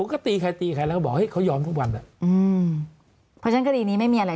ผมก็ตีใครตีใครก็บอกให้เขายอมทุกวันแหละอืมจริงก็ดินี้ไม่มีอะไร